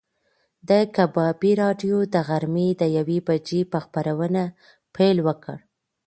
د کبابي راډیو د غرمې د یوې بجې په خبرونو پیل وکړ.